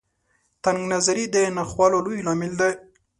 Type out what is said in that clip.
تنګ نظري د ناخوالو لوی لامل دی.